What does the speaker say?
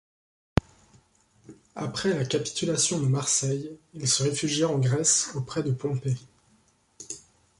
Après la capitulation de Marseille, il se réfugia en Grèce auprès de Pompée.